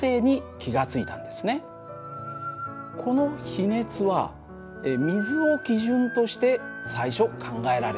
この比熱は水を基準として最初考えられました。